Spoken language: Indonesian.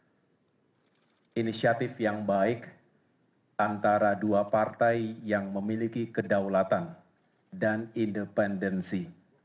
hai inisiatif yang baik antara dua partai yang memiliki kedaulatan dan independensi